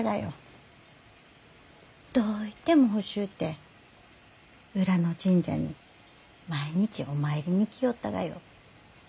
どういても欲しゅうて裏の神社に毎日お参りに行きよったがよ。